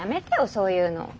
そういうの。